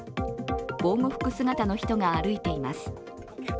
防護服姿の人が歩いています。